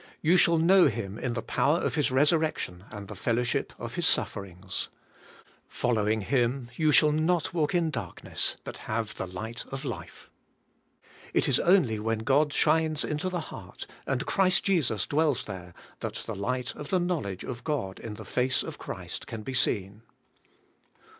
You shall know Him in the power of His resurrection and the fellowship of His sufferings. Following Him, you shall not walk in darkness, but have the light of life. It is only when God shines into the heart, and Christ Jesus dwells there, that the light of the knowledge of God in the face of Christ can be seen.